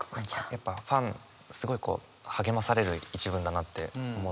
やっぱファンすごい励まされる一文だなって思って。